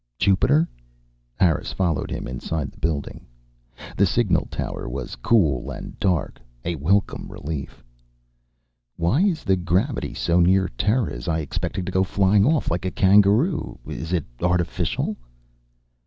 "Jupiter?" Harris followed him inside the building. The signal tower was cool and dark, a welcome relief. "Why is the gravity so near Terra's? I expected to go flying off like a kangaroo. Is it artificial?"